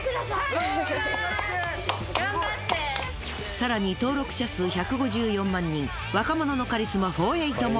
更に登録者数１５４万人若者のカリスマフォーエイトも。